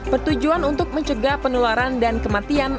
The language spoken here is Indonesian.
bertujuan untuk mencegah penularan dan kematian